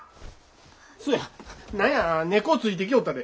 そうや何や猫ついてきよったで。